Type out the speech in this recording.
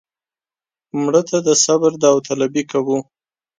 مړه ته د صبر داوطلبي کوو